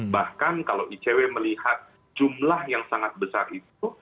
bahkan kalau icw melihat jumlah yang sangat besar itu